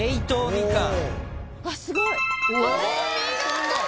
お見事！